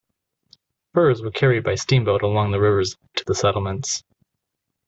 Furs were carried by steamboat along the rivers to the settlements.